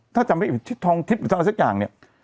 ถ้าจำไม่ถิดทองทิศหรืออะไรเศษอย่างเนี่ย